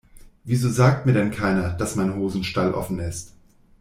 Wieso sagt mir denn keiner, dass mein Hosenstall offen ist?